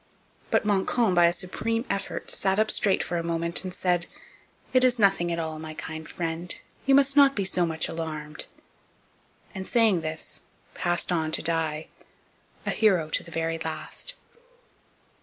But Montcalm, by a supreme effort, sat up straight for a moment and said: 'It is nothing at all, my kind friend; you must not be so much alarmed!' and, saying this, passed on to die, a hero to the very last.